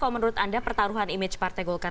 kalau menurut anda pertaruhan image partai golkar